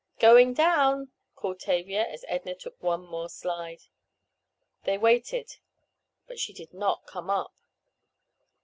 "Going down!" called Tavia as Edna took one more slide. They waited—but she did not come up!